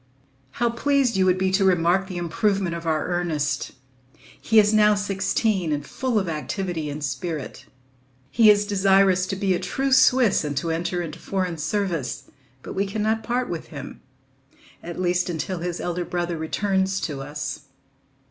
How pleased you would be to remark the improvement of our Ernest! He is now sixteen and full of activity and spirit. He is desirous to be a true Swiss and to enter into foreign service, but we cannot part with him, at least until his elder brother returns to us.